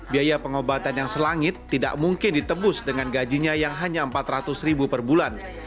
biaya pengobatan yang selangit tidak mungkin ditebus dengan gajinya yang hanya rp empat ratus ribu per bulan